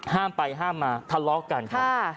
ห้ามไปห้ามมาทะเลาะกันครับ